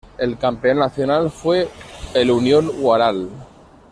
El campeón nacional fue el Unión Huaral.